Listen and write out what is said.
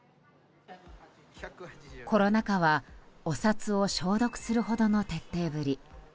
コロナ禍はお札を消毒するほどの徹底ぶり。